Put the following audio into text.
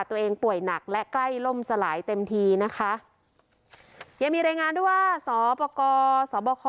ตัวเองป่วยหนักและใกล้ล่มสลายเต็มทีนะคะยังมีรายงานด้วยว่าสอปกรสบค